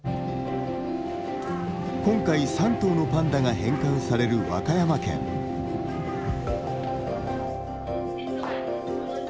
今回３頭のパンダが返還される和歌山県。